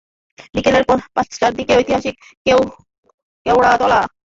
বিকেল পাঁচটার দিকে ঐতিহাসিক কেওড়াতলা মহাশ্মশানে রাষ্ট্রীয় সম্মানে সুচিত্রা সেনের শেষকৃত্য সম্পন্ন হয়।